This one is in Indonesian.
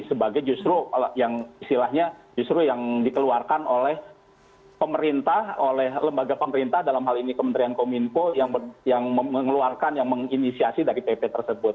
sebagai justru yang istilahnya justru yang dikeluarkan oleh pemerintah oleh lembaga pemerintah dalam hal ini kementerian kominfo yang mengeluarkan yang menginisiasi dari pp tersebut